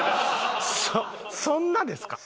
そんなですか？